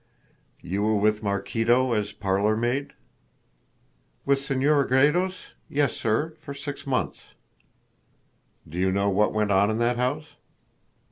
"You were with Maraquito as parlor maid?" "With Senora Gredos? Yes, sir, for six months." "Do you know what went on in that house?"